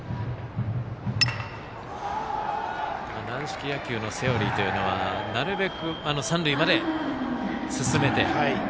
軟式野球のセオリーというのはなるべく三塁まで進めて。